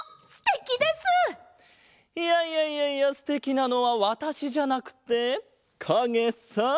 いやいやいやいやすてきなのはわたしじゃなくてかげさ！